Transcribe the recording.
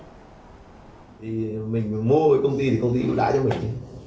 thì mình mua với công ty thì công ty cũng đã cho mình